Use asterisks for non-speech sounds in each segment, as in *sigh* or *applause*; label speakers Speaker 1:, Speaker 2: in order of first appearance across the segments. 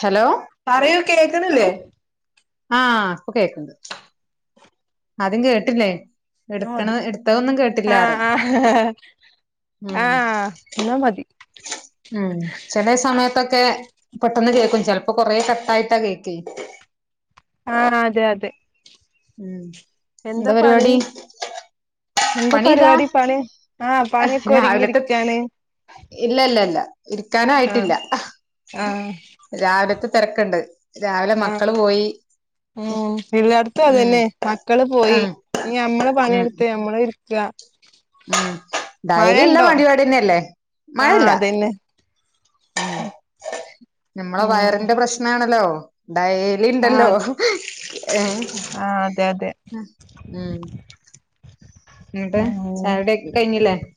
Speaker 1: Hello
Speaker 2: പറയൂ കേൾക്കണില്ലേ
Speaker 1: ആ ഇപ്പൊ കേക്കണ്ട് ആദ്യം കേട്ടില്ലേ
Speaker 2: ന്നാ
Speaker 1: എടുക്കണ
Speaker 2: മതി
Speaker 1: എടുത്തതൊന്നും കേട്ടില്ല ആറ്
Speaker 2: ആഹ് ആഹ്
Speaker 1: ഉ ഉ
Speaker 2: ആഹ് എന്നാ മതി
Speaker 1: ഉ ഉ ചെല സമയത്തൊക്കെ പെട്ടെന്ന് കേക്കും ചെലപ്പോ കൊറെേ കട്ടായിട്ടാ കേക്കി
Speaker 2: ആ അതെ അതെ
Speaker 1: ഉം എന്താ പരിപാടി
Speaker 2: എന്താ
Speaker 1: പണി ഇതാ
Speaker 2: പരിപാടി പണി ആ പണിയൊക്കെ
Speaker 1: രാവിലത്തെ
Speaker 2: ഒരുങ്ങിയിരിക്കാണ്
Speaker 1: ഇല്ല ഇല്ല ഇല്ല
Speaker 2: ആഹ്
Speaker 1: ഇരിക്കാനയിട്ടില്ല രാവിലത്തെ തിരക്കുണ്ട്
Speaker 2: ആ ഉ എല്ലായിടത്തും
Speaker 1: ഉം
Speaker 2: അതുന്നെ മക്കള് പോയി
Speaker 1: ആഹ്
Speaker 2: ഇനി നമ്മളെ
Speaker 1: ഉം
Speaker 2: പണിയെടുത്ത നമ്മള് ക്യാ
Speaker 1: ഉം ഡയലി ഇല്ല പരിപാടിന്നെയല്ലേ
Speaker 2: ആഹ്
Speaker 1: മഴല്ല
Speaker 2: അതന്നെ
Speaker 1: ഉ നമ്മളെ
Speaker 2: ഉം
Speaker 1: വയറിന്റെ പ്രശ്നണല്ലോ ഡയലിണ്ടല്ലോ
Speaker 2: ആഹ്
Speaker 1: ഇണ്ടല്ലോ ഏ
Speaker 2: ആഹ് അതെ അതെ
Speaker 1: മൂ മൂ
Speaker 2: ആ ഓ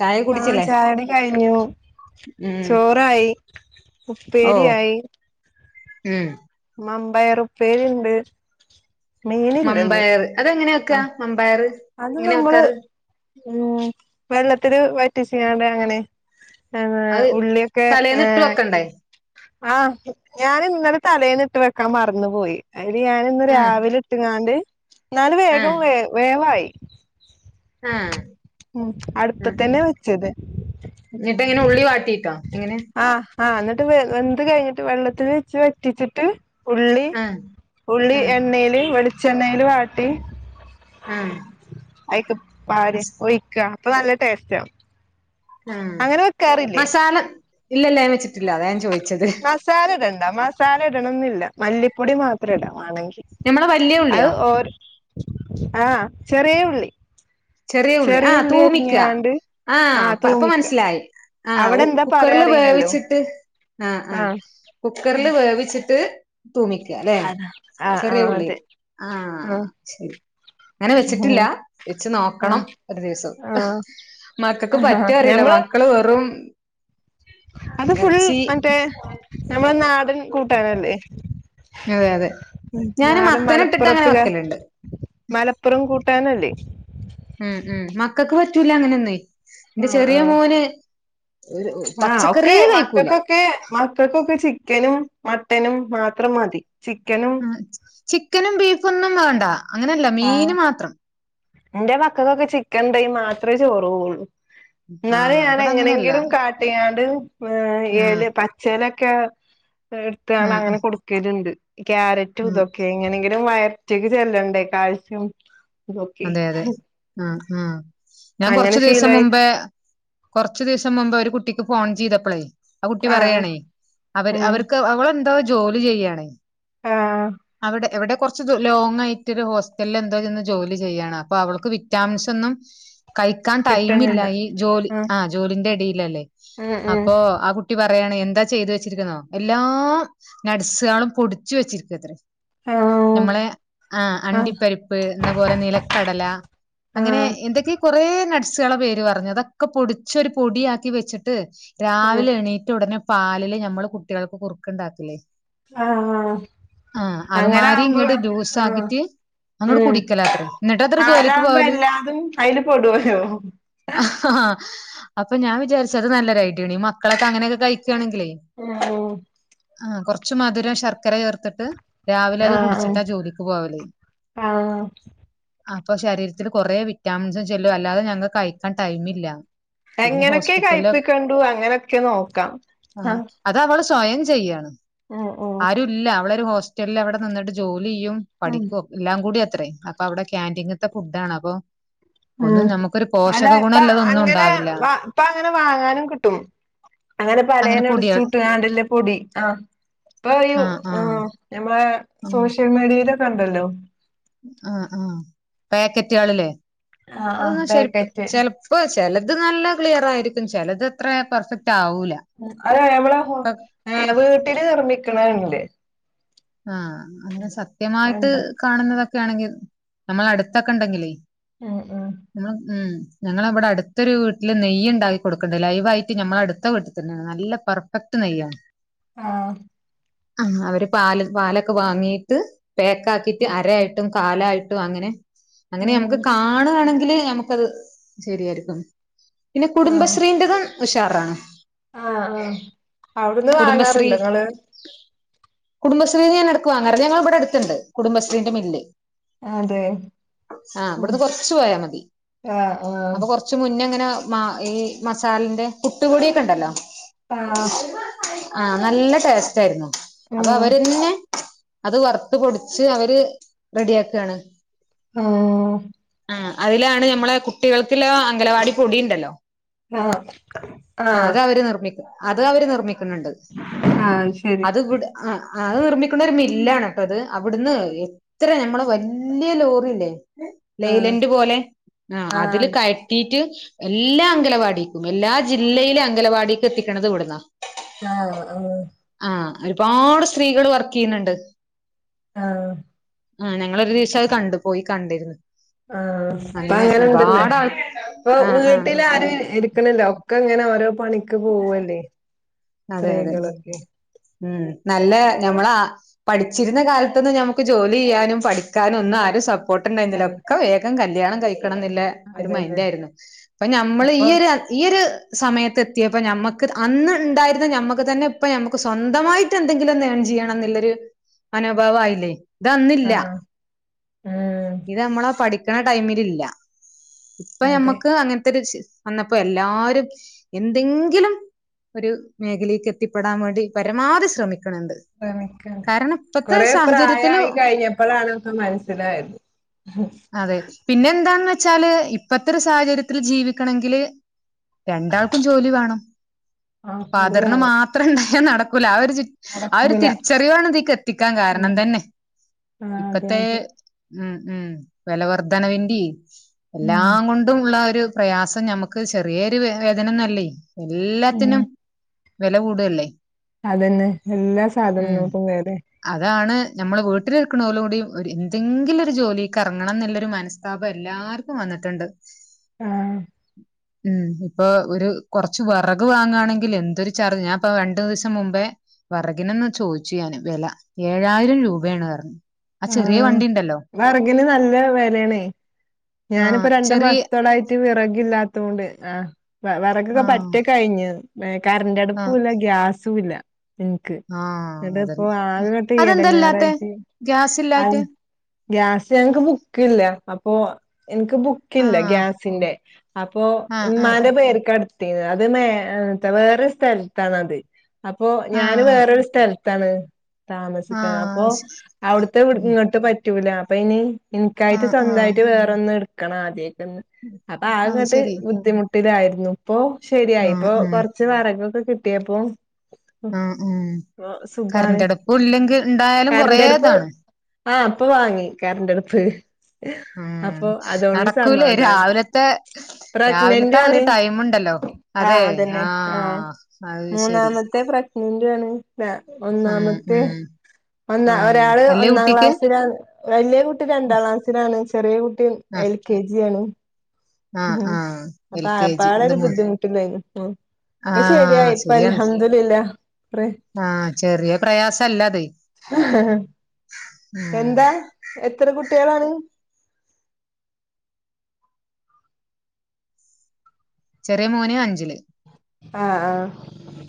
Speaker 1: ചായ
Speaker 2: ആ
Speaker 1: കുടിച്ചില്ലേ
Speaker 2: ചായുടി കഴിഞ്ഞു
Speaker 1: ഉം
Speaker 2: ചോറായി
Speaker 1: ഓ
Speaker 2: ഉപ്പേരിയയി
Speaker 1: ഉം
Speaker 2: മാമ്പർറുപ്പേരി ഉണ്ട് മീനില്ലന്ന്
Speaker 1: മമ്പയർ അതെന്താ അങ്ങനെ വെക്ക
Speaker 2: ആ
Speaker 1: മമ്പയർ
Speaker 2: അത്
Speaker 1: എങ്ങനെ
Speaker 2: നമ്മള്
Speaker 1: വെക്കാറ്
Speaker 2: ഉ വെള്ളത്തിൽ വറ്റിച്ച് കാണ്ട് അങ്ങനെ
Speaker 1: അത്
Speaker 2: ഉള്ളിയൊക്കെ
Speaker 1: തലേന്ന് ഇട്ട് വെക്കണ്ടേ
Speaker 2: ആ ഞാൻ ഇന്നലെ തലേന്ന് ഇട്ട് വെക്കാൻ മറന്നു പോയി ആയില് ഞാൻ ഇന്ന്
Speaker 1: ആഹ്
Speaker 2: രാവിലെ എട്ടങ്ങാണ്ട് എന്നാല്
Speaker 1: ആഹ്
Speaker 2: വേഗം വേ വേവായി ഉ *unintelligible*
Speaker 1: ആഹ് ഉം
Speaker 2: അടുപ്പത്തന്നെ വെച്ചത്
Speaker 1: എന്നിട്ട എങ്ങനെ ഉള്ളി വാട്ടിട്ടോ എങ്ങനെ?
Speaker 2: ആഹ എന്നി്ട്ട് വെന്ത് കഴിഞ്ഞിട്ട് വെള്ളത്തിൽ വെച്ച് വറ്റിച്ചിട്ട്- ഉള്ളി
Speaker 1: ആഹ്
Speaker 2: ഉള്ളി
Speaker 1: ആഹ്
Speaker 2: എണ്ണേല് വെളി ച്ചെണ്ണയിൽ വാട്ടി-
Speaker 1: ആഹ്
Speaker 2: ആയിക്ക പാല് ഒയിക്ക അപ്പൊ നല്ല ടേസ്റ്റ് ആവും-
Speaker 1: ഉം മസാല- ഇല്ലില്ല ഞാ വെച്ചിട്ടില്ല അതാ ഞൻ ചോദിച്ച
Speaker 2: മസാല ഇട്ടണ്ട മസ് സാല ഇടണം എന്നില്ല മല്ലിപ്പൊടി മാത്രംഇടാം വാണെങ്കി-
Speaker 1: ഞമ്മടെ വല്യ
Speaker 2: അത്
Speaker 1: ഉള്ളിയോ?
Speaker 2: ഓര് ആഹ് ചെറിയ ഉള്ളി-
Speaker 1: ചെറിയ ഉള്ളി ആഹ് തൂമിക്കുക ആഹ് അപ്പ മനസ്സിലായി- ആ
Speaker 2: അവിടെ എന്താ പറയാ
Speaker 1: കുക്കറില്
Speaker 2: അറിയില്ലല്ലോ
Speaker 1: വേവ്ച്ചിട്ട് ആ ആ
Speaker 2: ആഹ്
Speaker 1: കുക്കറില് വേവ്ച്ചിട്ട്- ത് - *unintelligible* തൂമിക്കാ അല്ലെ
Speaker 2: ആഹ്
Speaker 1: ചെറിയ
Speaker 2: ആഹ്
Speaker 1: ഉള്ളിൽ
Speaker 2: അതെ
Speaker 1: ആ
Speaker 2: ആഹ്
Speaker 1: ശരി അങ്ങനെ വെച്ചിട്ടില്ല- നോക്കണം
Speaker 2: ആഹ്
Speaker 1: ഒരു ദിവസം
Speaker 2: ആഹ്
Speaker 1: മക്കൾക്ക് പറ്റ
Speaker 2: ആഹ്
Speaker 1: അറിയില്ല
Speaker 2: ഞമ്മള്
Speaker 1: മക്കള് വെറും-
Speaker 2: അത് ഫുൾ
Speaker 1: ഇറച്ചി
Speaker 2: മറ്റേ നമ്മള നാടൻ കൂട്ടാനല്ലേ-
Speaker 1: അതെ അതെ
Speaker 2: ഉം
Speaker 1: ഞാൻ
Speaker 2: നാടൻ
Speaker 1: മത്തന ഇട്ടിട്ട് അങ്ങനെ
Speaker 2: മലപ്പുറത്തുകാ
Speaker 1: വെക്കലുണ്ട്-
Speaker 2: ട്ടാനല്ലേ?
Speaker 1: ഉം ഉം മക്കക്ക് വ *unintelligible* അങ്ങനെന്നയ്- എന്റെ
Speaker 2: ആഹ്
Speaker 1: ചെറിയ
Speaker 2: ആഹ്
Speaker 1: മോന്-
Speaker 2: ആഹ് ഒക്കെ
Speaker 1: പച്ചക്കറിയേ കഴിക്കൂല
Speaker 2: മക്കൾക്കൊക്കെ മക്കൾക്കൊക്കെ ചിക്കനും- മട്ടനും മാത്രം മതി- ചിക്കനും-
Speaker 1: ആഹ് ചിക്കനും ബീഫും ഒന്നും വേണ്ട അങ്ങനെയല്ല
Speaker 2: ആഹ്
Speaker 1: മീന് മാത്രം-
Speaker 2: എന്റെ മക്കക്കൊക്കെ ചിക്കൻ ഒണ്ടേ മാത്രേ ചോറ്പോള്ളു- ഇന്നാളി
Speaker 1: ആഹ്
Speaker 2: ഞാൻ
Speaker 1: ഇവിടെ അങ്ങനെയല്ല
Speaker 2: എങ്ങനെങ്കിലും കാട്ടിയാണ്ട് ഏ
Speaker 1: ആഹ്
Speaker 2: ഏല പച്ചേലെ കേ
Speaker 1: ആഹ്
Speaker 2: എടുത്താണങ്ങനെ
Speaker 1: ആഹ്
Speaker 2: കൊടുക്കലുണ്ട് ക്യാരറ്റും
Speaker 1: ആഹ്
Speaker 2: ഇതൊക്കെ എങ്ങനെങ്കിലും വയർ ഒറ്റയ്ക്ക് ചെല്ലണ്ടേ കാൽസ്യം ഇതൊക്കെ
Speaker 1: അതെ അതെ ആ ആ ഞാൻ
Speaker 2: അങ്ങനെ
Speaker 1: കൊറച്ചു ദിവസം
Speaker 2: ശീലായി
Speaker 1: മുമ്പേ കുറച്ചു ദിവസം മുമ്പേ ഒരു കുട്ടിക്ക് ഫോൺ ചെയ്തപ്പളേ ആ കുട്ടി
Speaker 2: ആഹ്
Speaker 1: പറയാണേ അവരെ
Speaker 2: ഉം
Speaker 1: അവർക്ക് അവളെന്തോ ജോലി ചെയ്യാണെ
Speaker 2: ആഹ്
Speaker 1: അവിടെ എവിടെ കുറച്ച് ലോങ് ആയിട്ടൊരു ഹോസ്റ്റലിൽ എന്തോ ചെന്ന് ജോലി ചെയ്യാണ് അപ്പൊ അവൾക്ക് വിറ്റാമിൻസ് ഒന്നും കഴിക്കാൻ ടൈമില്ല
Speaker 2: കിട്ടുന്നുണ്ട്
Speaker 1: ഈ ജോലി
Speaker 2: ആഹ്
Speaker 1: ആ ജോലിന്റിടയിൽ ഇല്ലല്ലെ
Speaker 2: ഉം ഉം
Speaker 1: അപ്പൊ ആ കുട്ടി പറ പറയാണ് എന്താ ചെയ്തു വെച്ചിരിക്കുന്നോ എല്ലാ നട്സുകളും പൊടിച്ചു വെച്ചിരിക്കത്രേ
Speaker 2: ആഹ്
Speaker 1: നമ്മളെ ആ
Speaker 2: ആഹ്
Speaker 1: അണ്ടിപ്പരിപ്പ് എന്നപോലെ നിലക്കടല അങ്ങനെ
Speaker 2: ആഹ്
Speaker 1: എന്തൊക്കെയൊ കൊറേ നട് ട്സുകളുടെ പേര് പറഞ്ഞതെ ഒ ക്കെ പൊടിച്ചൊരു പൊടിയാക്കി വെച്ചിട്ട്
Speaker 2: ഉം
Speaker 1: രാവിലെ എണീറ്റുടനെ പാലില് ഞമ്മള് കുട്ടികൾക്ക് കുറുക്കുണ്ടാക്കില്ലേ
Speaker 2: ആ ആ
Speaker 1: ആ അതുമായിരി ഇങ്ങട്ടെ
Speaker 2: ആഹ്
Speaker 1: ജൂസാക്കീട്ടെനമ്മളെ
Speaker 2: ഉം
Speaker 1: കുടിക്കലാത്രേ എന്നിട്ട് അത്ര
Speaker 2: ആ
Speaker 1: ജോലിക്ക്
Speaker 2: അതാവുമ്പോ
Speaker 1: പോവലെ
Speaker 2: എല്ലാതും അയില് പെടുവല്ലോ
Speaker 1: ആ അപ്പൊ ഞാൻവിചാരിച്ചെ അതു നല്ലൊരു ഐറ്റാണ് ഈ മക്കളൊ ക്കെ അങ്ങനൊക്കെ കയി
Speaker 2: ഉം
Speaker 1: ആ കൊറച്ചു മധുരം ശർക്കര ചേർത്തിട്ട് രാവിലെ അത്
Speaker 2: ആഹ്
Speaker 1: കുടിച്ചിട്ടാ ജോലിക്ക് പോവലെ
Speaker 2: ആഹ്
Speaker 1: അപ്പൊ ശരീരത്തിലെ കൊറെേ വിറ്റാമിൻസും ചെല്ലും അല്ലാതെ ഞങ്ങക്ക് കയിക്കാൻ ടൈമില്ല പിന്നെ
Speaker 2: എങ്ങനൊക്കെ
Speaker 1: ഹോസ്പിറ്റലില്
Speaker 2: കയിപ്പിക്കണ്ടു അങ്ങനൊക്കെ നോക്കാം ആ
Speaker 1: ആഹ് അത് അവള് സ്വയം ചെയ്യാണ് ആരു ഇല്ല അവളൊരു ഹോസ്റ്റ ഇല്ല അവിടെനിന്നിട്ട് ജോലി ലിയും
Speaker 2: ഉം
Speaker 1: പഠിപ്പുക് എല്ലാം കൂടി ഇത്രേ അപ്പൊ അവിടെ ക്യാന്റീങ്ങ്ത്തെ ഫുഡഡാണ് അപ്പൊ
Speaker 2: അ
Speaker 1: ഒന്നും നമുക്കൊരു
Speaker 2: അല്ല
Speaker 1: പോഷക
Speaker 2: ഇപ്പ
Speaker 1: ഗുണല്ലതൊന്നും
Speaker 2: അങ്ങനെ
Speaker 1: ഉണ്ടാവില്ല
Speaker 2: വാ ഇപ്പ അങ്ങനെ വാങ്ങാനും കിട്ടും അങ്ങനെ പലേനട്സുട്ടാ ടി ആഹ് ഇപ്പ യു ആഹ് നമ്മ
Speaker 1: ഉം
Speaker 2: സോഷ്യൽ മീഡിയ ഇതൊക്കെ ഉണ്ടല്ലോ?
Speaker 1: ആഹ് ആഹ് പാക്കറ്റുകളില്.
Speaker 2: ആഹ് ആഹ്
Speaker 1: അതന്നാ ഷെരിപ്പ്
Speaker 2: പാക്കറ്റ്
Speaker 1: ചെലപ്പ സ് ചെലത് നല്ല ക്ലിയർ ആയിരിക്കും. ചെലത് അത്ര പെർഫക്ട്
Speaker 2: അത് നമ്മള ഹോ ഏ നമ്മള് വീട്ടില് നിർമ്മി അത്ണ്ട്
Speaker 1: ആഹ് അങ്ങനെ സത്യമായിട്ട്
Speaker 2: അത്ണ്ടോ
Speaker 1: കാണുന്നതൊ ക്കാണെങ്കി നമ്മള അടുത്തൊക്കെ ഉണ്ടെങ്കിലെ
Speaker 2: ഉം ഉം
Speaker 1: ള്ള ഉം ഞങ്ങളവിടെ അടുത്തൊരു വീട്ടില് നെയ്യ്ണ്ടാക്കി കൊടുക്ക്ണ്ട്, ലൈവായിട്ട് ഞമ്മള അടുത്ത വീട്ടിൽ തന്നെയാണ്. നല്ല പെർഫെക്ട് നെയ്യാണ്.
Speaker 2: ആഹ്
Speaker 1: ആഹ് അവര് പാല് പാലൊക്കെ വാങ്ങീട്ട് പേക്കാക്കിട്ട് അരായായിട്ടും കാലായിട്ടും അങ്ങനെ അങ്ങനെ നമുക്ക്
Speaker 2: ഉം
Speaker 1: കാണുവാണെ *unintelligible* ഞമ്മക്കത് ശരിയായിരിക്കും. പിന്നെ
Speaker 2: ആഹ്
Speaker 1: കുടുംബശ്രീന്റതും ഉഷാ ആഹ്
Speaker 2: ആഹ് ആഹ് അവിടുന്ന്
Speaker 1: കുടുംബശ്രീ
Speaker 2: വാങ്ങാറുണ്ടോ ഇങ്ങള്?
Speaker 1: കുടുംബശ്രീന്ന് ഞാൻ എടുക്കുവാ *unintelligible* ഇവിടെ അടുത്തുണ്ട്, കുടുംബശ്രീന്റെ മില്ല്.
Speaker 2: അതെ
Speaker 1: ആഹ്,
Speaker 2: ഉം
Speaker 1: ഇബ്ടുന്ന് കൊറച്ച് പോയാ മതി.
Speaker 2: ആഹ് ആഹ്
Speaker 1: അപ്പോ കൊറച്ച് മുന്നേങ്ങനെ മ ഈ മസാലന്റെ പുട്ട് പൊടിയൊക്കെ ഉണ്ടല്ലോ.
Speaker 2: ആഹ്.
Speaker 1: ആഹ്, നല്ല ടേസ്റ്റ് ആയിരുന്നു. അത്
Speaker 2: ഉം
Speaker 1: അവരന്നെ അത് വറുത്ത് പൊടിച്ച് അവര് റെഡിയാക്കാണ്.
Speaker 2: ആഹ്
Speaker 1: ആഹ് അതിലാണ് ഞമ്മളെ കുട്ടികൾക്കിള്ള അംഗലവാടി പൊടി ഇണ്ടല്ലോ?
Speaker 2: ആഹ്
Speaker 1: ആഹ് അത് അവര് നിർമ്മിക്കും. അത് അവര് നിർമ്മി ക്കണണ്ട്,
Speaker 2: ആഹ് ശരി
Speaker 1: അത് ഇവ്ട ആഹ് ആ അത് നിർമ്മിക്കുന്ന ഒരു മില്ലാണ് ട്ടോ അത് അവിടുന്ന് എത്ര ഞമ്മള് വലിയ ലോറില്ലേ
Speaker 2: ആഹ്
Speaker 1: ലെയലന്റ് പോലെ ആ അതില്
Speaker 2: ആഹ്
Speaker 1: കയറ്റീട്ട് എല്ലാ അങ്കലവാടിക്കും എല്ലാ ജില്ലയിലെ അങ്കലവാടിക്ക് എത്തിക്കണത് ഇവിടുന്നാ
Speaker 2: ആ ആ
Speaker 1: ആ ഒരുപാട് സ്ത്രീകൾ വർക്കെയ്യുന്നുണ്ട്
Speaker 2: ആ
Speaker 1: ആ ഞങ്ങളൊരു ദിവസം അത് കണ്ടു പോയി കണ്ടിരുന്നു
Speaker 2: ആ അപ്പ
Speaker 1: അങ്ങനെ
Speaker 2: അങ്ങനുണ്ടല്ലോ
Speaker 1: ഒരുപാട് ആൾ
Speaker 2: ഇപ്പൊ
Speaker 1: ആഹ് ആഹ്
Speaker 2: വീട്ടിൽ ആരും ഇരിക്കണില്ലോ ഒക്കെ ഇങ്ങനെ ഓരോ പണിക്ക് പോവല്ലേ
Speaker 1: അതെ അതെ
Speaker 2: സ്ത്രീകളൊക്കെ
Speaker 1: ഉം നല്ല ഞമ്മളാ പഠിച്ചിരുന്ന കാലത്ത് ഞമ്മുക്ക് ജോലി ചെയ്യാനും പഠിക്കാനും ഒന്നും ആരും സ പോട്ടുണ്ടായിരുന്നില്ല
Speaker 2: ആഹ്
Speaker 1: ഒക്കെ വേഗം കല്ല്യാ ല്യാണം കഴി ക്കണം ന്നില്ല ഒരു
Speaker 2: അതന്നെ
Speaker 1: മൈന്റായിരുന്നു അപ്പൊ നമ്മള്
Speaker 2: ഇപ്പൊ
Speaker 1: ഈയൊരു ഈയ സമയത്ത് എത്തിയപ്പോ ഞമ്മക്ക് അന്ന് ഉണ്ടായിരുന്ന ഞമ്മക്ക് തന്നെ ഇപ്പ ഞമ്മക്ക് സ്വന്തമായിട്ട് എന്തെങ്കിലും ഒന്ന് ഏൺ ചെയ്യണം ന്നുള്ളൊരു മനോഭാവായില്ലേ ഇതന്നില്ല
Speaker 2: ആഹ് ഉം
Speaker 1: ഇത് നമ്മളെ പഠി ടൈമിലില്ല ഇപ്പൊ
Speaker 2: അതെ
Speaker 1: ഞമ്മക്ക് അങ്ങനത്തെ ഒരു ചി വന്നപ്പോ എല്ലാരും എന്തെങ്കിലും ഒരു മേഖലേക്ക് എത്തിപ്പെടാൻ വേണ്ടി പരമാവധി ശ്രമിക്കും
Speaker 2: കൊറെ
Speaker 1: സാഹചര്യത്തില്
Speaker 2: പ്രായായി കഴിഞ്ഞപ്പോഴാണ് ഒക്കെ മനസ്സിലായത്
Speaker 1: വച്ചാല് ഇപ്പത്തെ ഒരു സാഹചര്യത്തിൽ ജീവിക്കണങ്കില് രണ്ടാൾക്കും ജോലി വേണം
Speaker 2: ആഹ് അത്
Speaker 1: ഫാദറിന്
Speaker 2: വേണം
Speaker 1: മാത്രം ഉണ്ടായ നട ക്കൂല ആ ഒര് ആ ഒരു
Speaker 2: നടക്കൂല
Speaker 1: തിരിച്ചറിവാണ് ഇതിക്ക് എത്തിക്കാൻ
Speaker 2: ഉം
Speaker 1: കാരണം തന്നെ
Speaker 2: ആഹ് അതെ
Speaker 1: ഇപ്പത്തെ
Speaker 2: അതെ
Speaker 1: ഉം ഉം വിലവർധനവിന്റെ
Speaker 2: ഉം
Speaker 1: എല്ലാം കൊണ്ടും ഉള്ള ഒരു പ്രയാസം ഞമ്മക്ക് ചെറിയൊരു വേദനന്നല്ലേ എല്ലാത്തിനും വില കൂടല്ലേ
Speaker 2: അതന്നെ എല്ലാ സാധനം
Speaker 1: ഉം
Speaker 2: നോക്കുവേത
Speaker 1: അതാണ് നമ്മള് വീട്ടിലിരിക്കണോലും കൂടി എന്തെങ്കിലും ഒരു ജോലിക്ക് ഇറങ്ങണം ന്നുള്ളൊരു മനസ്താപം എല്ലാർക്കും വന്നിട്ടുണ്ട്
Speaker 2: ആഹ്
Speaker 1: ഉം ഇപ്പൊ ഒരു കുറച്ച് വിറക് വാങ്ങാണെങ്കിൽ എന്തൊരു ചാർജ് ഞാൻപ്പ രണ്ടി മുമ്പേ വറകിനന്ന് ചോദിച്ചു ഞാന് വില ഏഴായിരം രൂപയാണ് പറഞ്ഞു
Speaker 2: ആ
Speaker 1: ചെറിയ വണ്ടി ഉണ്ടല്ലോ
Speaker 2: വറഗിന് നല്ല വലയാണ്
Speaker 1: ആഹ്
Speaker 2: ഞാനിപ്പോ രണ്ടു
Speaker 1: ചെറിയ
Speaker 2: മാസത്തോളായിറ്റ് വിറകില്ലാത്തൊണ്ട് അ വിറക്കൊക്കെ
Speaker 1: ആഹ്
Speaker 2: പറ്റക്കെ കഴിഞ്ഞഞ് *inaudible*
Speaker 1: ആഹ്
Speaker 2: കറണ്ട്റ്ടുപ്പുല്ല ഗ്യാസ് സഇല്ല ഇക്ക്
Speaker 1: ആഹ്
Speaker 2: എന്നിട്ട് ഇപ്പൊ
Speaker 1: അതന്നെ
Speaker 2: ആകട്ടെ
Speaker 1: അതെന്തല്ലാത്തെ
Speaker 2: ഇടങ്ങറായിട്ട് അ
Speaker 1: ഗ്യാസില്ലായിട്ട്
Speaker 2: ഗ്യാസ് ഞങ്ങക്ക് ബുക്കില്ല അപ്പൊ എനിക്ക് ബുക്കില്ല
Speaker 1: ആഹ്
Speaker 2: ഗ്യാസിന്റെ അപ്പൊ
Speaker 1: ആഹ് ആഹ്
Speaker 2: ഇമ്മാന്റെ പേർക്കഎടുത്ത ത് അത് വേറെ സ്ഥലത്തണത് അപ്പോഞാന് വേറൊരു സ്ഥലം താണ്
Speaker 1: ആഹ്
Speaker 2: താമസിക്കണം അപ്പൊ
Speaker 1: ആഹ് ശരി
Speaker 2: അവിടുത്തെ
Speaker 1: ഉം
Speaker 2: ഇങ്ങോട്ട് പറ്റ റ്റൂല അപ്പനി എനിക്കായിട്ട്
Speaker 1: ആഹ് ആഹ്
Speaker 2: സ്വന്തമായിട്ട് വേറെ ഒന്ന് എടുക്കണം ആദം അപ്പൊ
Speaker 1: അത്
Speaker 2: ആങ്ങോട്ട്
Speaker 1: ശരി
Speaker 2: ബുദ്ധിമുട്ട് ട്ടിലായിരുന്നു ഇപ്പോ ശരിയായി
Speaker 1: ആഹ്
Speaker 2: ഇപ്പൊ കുറച്ച് വറകൊക്കെ കിട്ടിയപ്പൊ
Speaker 1: അ ഉം
Speaker 2: സുഖാണ്
Speaker 1: കറന്റടുപ്പും ഇല്ലെങ്കിൽ ഉണ്ടായാലും കൊറേ ഇതാണ്
Speaker 2: ആ ഇപ്പൊ വാങ്ങി കറന്റെ അടുപ്പ് *unintelligible*
Speaker 1: ഉം നടക്കൂലേ രാവിലത്തെ
Speaker 2: പ്രഗ്നന്റു
Speaker 1: രാവിലത്തെ
Speaker 2: ആണ്
Speaker 1: അഒരു ടൈമുണ്ടല്ലോ അതെ
Speaker 2: ആഹ്
Speaker 1: ആ
Speaker 2: അതന്നെ ആഹ്
Speaker 1: അത് ശരി
Speaker 2: മൂന്നാമത്തെ പ്രഗ്നന്റു ആണ്
Speaker 1: ഉം
Speaker 2: ഒന്നാമത്തെ
Speaker 1: ഉം
Speaker 2: ഒന്ന
Speaker 1: ഉം
Speaker 2: ഒരാള്
Speaker 1: വല്യ
Speaker 2: ഒന്നാം
Speaker 1: കുട്ടിക്ക്
Speaker 2: ക്ലാസ്സിലന് *unintelligible* വലിയകുട്ടി ട്ടി രണ്ടാം ക്ലാസിലാണ് ചെറിയ കുട്ടി
Speaker 1: ആഹ്
Speaker 2: എൽ കെ ജി ആണ്
Speaker 1: ആഹ്
Speaker 2: ഉ
Speaker 1: ആഹ്
Speaker 2: അപ്പ
Speaker 1: എൽ കെ ജി
Speaker 2: പാട
Speaker 1: ഇത്
Speaker 2: ഒരു
Speaker 1: മൂ
Speaker 2: ബുദ്ധിമുട്ടില്ലായിന് ഇപ്പൊ ശരിയയി ഇപ്പഅൽ ഹംദുലില്ലാഹ്
Speaker 1: ആഹ ചെറിയ പ്രയാസല്ലത്
Speaker 2: എന്താ എത്ര കുട്ട കുട്ടികളാണ്
Speaker 1: ചെറിയ മോന് അഞ്ചില്
Speaker 2: ആഹ ആഹ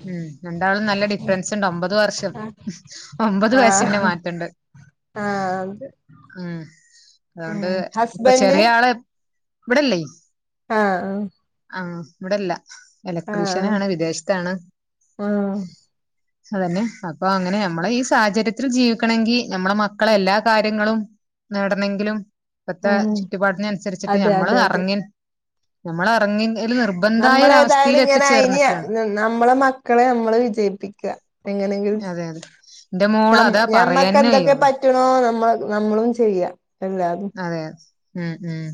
Speaker 1: ഉം രണ്ടാളും നല്ല ഡിഫറൻസ് ഉണ്ട് ഒമ്പത് വർഷം ഒമ്പത്
Speaker 2: ആഹ്
Speaker 1: വയസിന്റെ
Speaker 2: ആഹ്
Speaker 1: മാറ്റുണ്ട്
Speaker 2: ആഹ് അത്
Speaker 1: ഉം
Speaker 2: ഉം
Speaker 1: അതുകൊണ്ട് ഇപ്പൊ
Speaker 2: ഹസ്ബൻഡ്
Speaker 1: ചെറിയ ആള് വിടല്ലേ
Speaker 2: ആഹ ആഹ
Speaker 1: ആഹ വ്ടല്ല ഇലക്ട്രീഷ്യന ആണ് വിദേശത്താണ്
Speaker 2: ആഹ
Speaker 1: അതന്നെ അപ്പൊ അങ്ങനെ നമ്മളെ ഈ സാഹചര്യത്തിൽ ജീവിക്കണെങ്കിൽ നമ്മളെ മക്കളെ എല്ലാ കാര്യങ്ങളും നേടണെങ്കിലും ഇപ്പത്തെ
Speaker 2: ആഹ്
Speaker 1: ചുറ്റുപാടിന അനുസരിച്ചിട്ട്
Speaker 2: അതെ
Speaker 1: ഞമ്മള്
Speaker 2: അതെ
Speaker 1: ഇറങ്ങിൻ ഞമ്മൾ ഇറങ്ങി
Speaker 2: നമ്മള ഏതായാലും ഇങ്ങനെഞ്ഞ നമ്മള മക്കളെ നമ്മള് വിജയിപ്പിക്കുക എങ്ങനെയെങ്കിൽ
Speaker 1: അതെ അതെ എന്റെ മോള് അതാ
Speaker 2: മ്മക്ക്
Speaker 1: പറയാന്നെ
Speaker 2: എന്തൊക്കെ
Speaker 1: വയ്യോളു
Speaker 2: പറ്റണോ നമ്മൾ നമ്മളും ചെയ്യ
Speaker 1: അതെതെ ഉം ഉം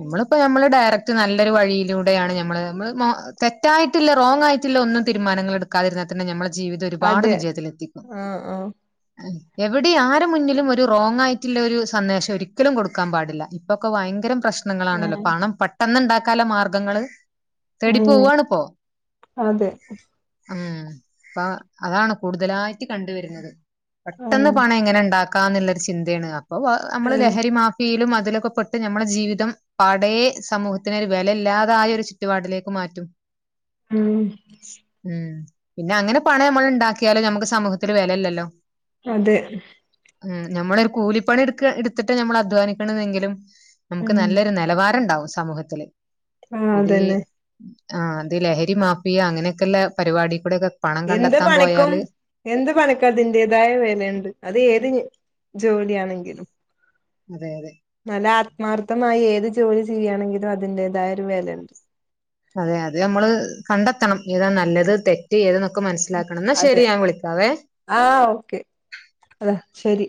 Speaker 1: നമ്മളിപ്പോ നമ്മള് ഡയറക്ട് നല്ലൊരു വഴിയിലൂടെയാണ് നമ്മള്മ്മ തെറ്റായിട്ടില്ല റോങ് ആയിട്ടില്ല ഒന്നും തീരുമാനങ്ങൾ എക്കാതിരുന്നാ തന്നെ നമ്മ ജീവിതം ഒരുപാട്
Speaker 2: അതെ
Speaker 1: വിജയത്തിലെത്തിക്കും
Speaker 2: ആഹ് ആഹ്
Speaker 1: എവിടെ ആരു മുന്നിലും ഒരു റോങ് ആയിട്ടുള്ള ഒരു സന്ദേശം ഒരിക്കലും കൊടുക്കാൻ പാടില്ല ഇപ്പൊക്കെ ഭയങ്കരം പ്രശ്നങ്ങളാണല്ലോ
Speaker 2: ഉം
Speaker 1: പണം പ പെട്ടെന്നുണ്ടാക്കാല മാർഗ്ഗങ്ങങ്ങള് തേടി
Speaker 2: ഉം
Speaker 1: പോവാണ് ഇപ്പോ
Speaker 2: അതെ
Speaker 1: ഉ അപ്പ അതാണ് കൂടുതലായിട്ട് കണ്ടുവരുന്നത്
Speaker 2: ആഹ്
Speaker 1: പെട്ടെന്ന് പണം എങ്ങനെ ഉണ്ടാക്ക എന്നുള്ളരു ചിന്തയാണ് അപ്പൊ നമ്മള്
Speaker 2: ആഹ്
Speaker 1: ലഹരി മാഫിയയിലും അ അതിലൊക്കെ പെട്ട് നമ്മുടെ ജീവിതം പാടെ സമൂഹത്തിന് ഒരു വിലയില്ലാതായ ഒരു ചുറ്റുപാടിലേക്ക് മാറ്റും
Speaker 2: ഉം
Speaker 1: ഉം പിന്നെ അങ്ങനെ പണം നമ്മൾ ഉണ്ടാക്കിയാലോ നമുക്ക് സമൂഹത്തിൽ വില ഇല്ലല്ലോ
Speaker 2: അതെ
Speaker 1: ഉ ഞമ്മളൊരു കൂലി എടുത്ത് എടുത്തിട്ട് നമ്മൾ അധ്വാനിക്കണതെങ്കിലും നമുക്ക്
Speaker 2: ഉം
Speaker 1: നല്ലൊരു നിലവാരം ഉണ്ടാവും സമൂഹത്തില്
Speaker 2: ആഹ്
Speaker 1: ഇത്
Speaker 2: അതന്നെ
Speaker 1: ആഹ അത് ലഹരി മാഫിയ അങ്ങനെയൊക്കെ ഉള്ള പരിപാടി കൂടെൊക്കെ
Speaker 2: എന്ത് പണിക്കും എന്ത് പണിക്കും അതിന്റെേതായ വിലയുണ്ട് അത് ഏത് ജോലിയാണെങ്കിലും
Speaker 1: അതെ അതെ
Speaker 2: നല്ല ആത്മാർത്ഥമായി ഏത് ജോലി ചെയ്യുകയാണെങ്കിലും അതിന്റേതായ ഒരു വിലയുണ്ട്
Speaker 1: അതെ അതെ നമ്മള് കണ്ടെത്തണം ഏതാ നല്ലത് തെറ്റ് ഏത
Speaker 2: അതെ ആഹ ഓക്കെ അതാ ശരി